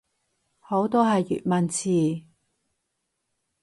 好多係粵文詞